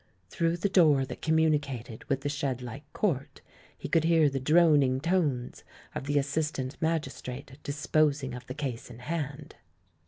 Through the door that communicated with the shed hke court, he could hear the droning tones of the assistant magistrate disposing of the case in hand.